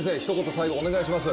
最後お願いします。